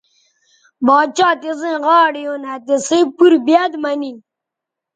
باڇھا تسئیں غاڑے ھون آ تِسئ پور بیاد مہ نن